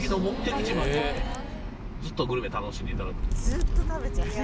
ずっと食べちゃう。